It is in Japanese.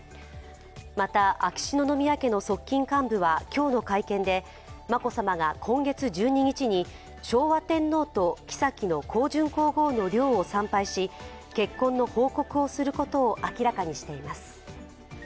また、秋篠宮家の側近幹部は今日の会見で眞子さまが今月１２日に昭和天皇と后の香淳皇后の陵を参拝し結婚の報告をすることを明らかにしています。